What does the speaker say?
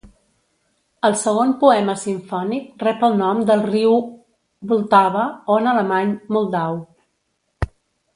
El segon poema simfònic rep el nom del riu Vltava o, en alemany, Moldau.